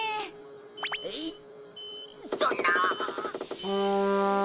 えっそんな。